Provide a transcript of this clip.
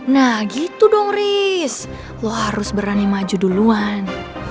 nah gitu dong riz lo harus berani maju duluan